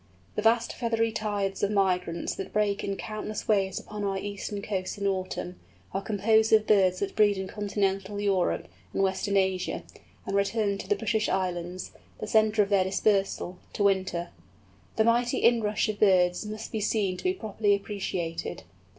The vast feathery tides of migrants that break in countless waves upon our eastern coasts in autumn, are composed of birds that breed in continental Europe and Western Asia, and return to the British Islands—the centre of their dispersal—to winter. The mighty inrush of birds must be seen to be properly appreciated.